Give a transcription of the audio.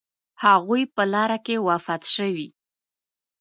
هغوی په لاره کې وفات شوي.